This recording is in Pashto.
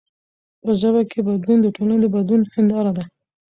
په ژبه کښي بدلون د ټولني د بدلون هنداره ده.